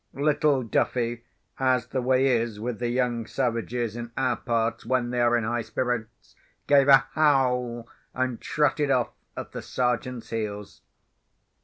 Little Duffy, as the way is with the young savages in our parts when they are in high spirits, gave a howl, and trotted off at the Sergeant's heels.